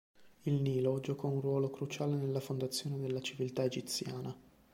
Il Nilo giocò un ruolo cruciale nella fondazione della civiltà egiziana.